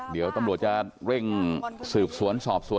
เดี๋ยวตำรวจจะเร่งสืบสวนสอบสวน